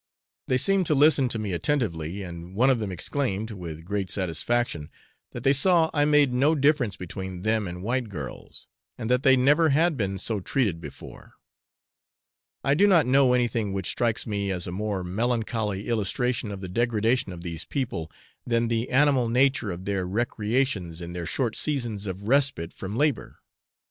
They seemed to listen to me attentively, and one of them exclaimed, with great satisfaction, that they saw I made no difference between them and white girls, and that they never had been so treated before. I do not know anything which strikes me as a more melancholy illustration of the degradation of these people, than the animal nature of their recreations in their short seasons of respite from labour.